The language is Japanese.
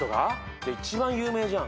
じゃあ一番有名じゃん。